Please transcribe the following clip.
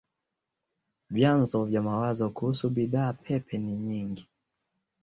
Vyanzo vya mawazo kuhusu bidhaa pepe ni nyingi.